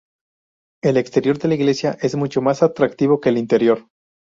El exterior de la iglesia es mucho más atractivo que el interior.